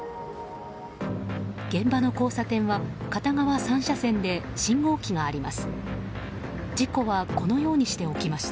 現場の交差点は片側３車線で信号機があります。